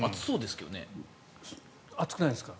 暑くないんですか？